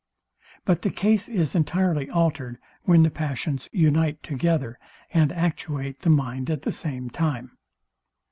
But the case is entirely altered, when the passions unite together, and actuate the mind at the same time.